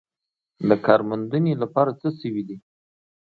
د کار موندنې لپاره څه شوي دي؟